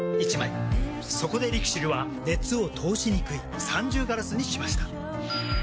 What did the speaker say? そこでＬＩＸＩＬは熱を通しにくい三重ガラスにしました。